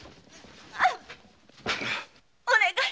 お願い！